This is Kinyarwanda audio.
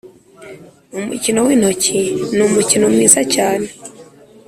umukino w’intoki ni umukino mwiza cyane